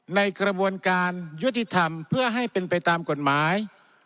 ในกระบวนการยุติธรรมเพื่อให้เป็นไปตามกฎหมาย